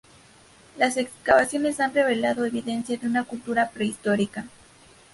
Las excavaciones han revelado evidencia de una cultura prehistórica.